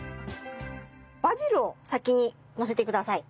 バジルを先にのせてください。